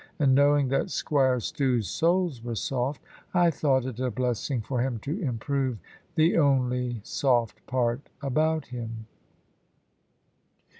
And knowing that Squire Stew's soles were soft, I thought it a blessing for him to improve the only soft part about him.